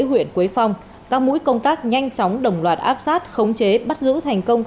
huyện quế phong các mũi công tác nhanh chóng đồng loạt áp sát khống chế bắt giữ thành công